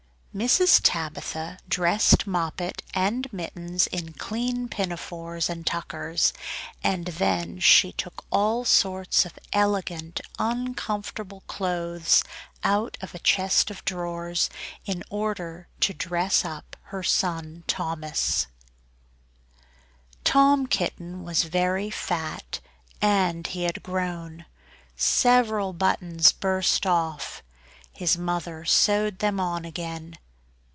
Mrs. Tabitha dressed Moppet and Mittens in clean pinafores and tuckers; and then she took all sorts of elegant uncomfortable clothes out of a chest of drawers, in order to dress up her son Thomas. Tom Kitten was very fat, and he had grown; several buttons burst off. His mother sewed them on again.